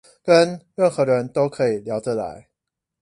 跟任何人都可以聊得來